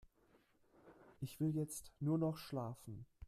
Ich will jetzt nur noch schlafen.